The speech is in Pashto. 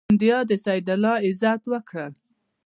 سیندیا د سعد الله عزت وکړ.